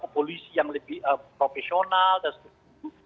polisi yang lebih profesional dan sebagainya